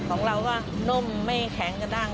ของเราก็นุ่มไม่แข็งกระดั้ง